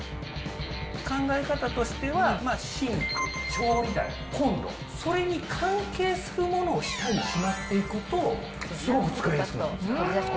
考え方としては、シンク、調理台、コンロ、それに関係するものを下にしまっていくと、すごく使いやすくなるんです。